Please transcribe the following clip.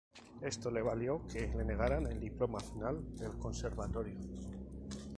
Esto le valió que le negaran el diploma final del conservatorio.